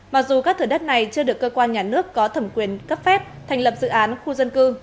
mặc dù các thửa đất này chưa được cơ quan nhà nước có thẩm quyền cấp phép thành lập dự án khu dân cư